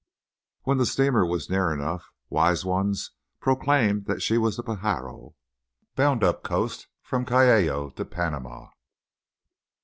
When the steamer was near enough, wise ones proclaimed that she was the Pajaro, bound up coast from Callao to Panama.